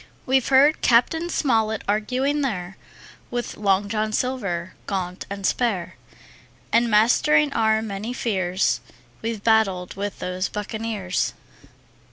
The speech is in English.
We've heard Cap. Smollett arguing there With Long John Silver, gaunt and spare, And mastering our many fears We've battled with those buccaneers.